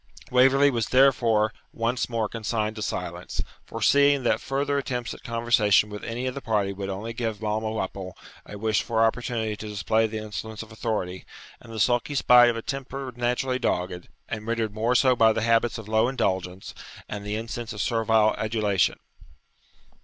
Waverley was therefore once more consigned to silence, foreseeing that further attempts at conversation with any of the party would only give Balmawhapple a wished for opportunity to display the insolence of authority, and the sulky spite of a temper naturally dogged, and rendered more so by habits of low indulgence and the incense of servile adulation.